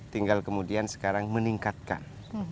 tinggal kemudian sekarang meningkatkan